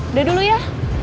udah dulu ya